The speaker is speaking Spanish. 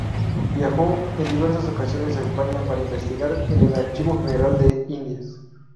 Viajó en diversas ocasiones a España para investigar en el Archivo General de Indias.